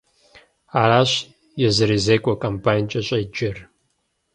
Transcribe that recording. Аращ езырызекӀуэ комбайнкӀэ щӀеджэр.